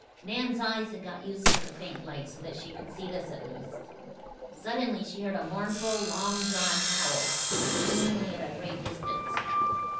Nan's eyes had got used to the faint light so that she could see this at least. Suddenly she heard a mournful, long drawn howl, seemingly at a great distance.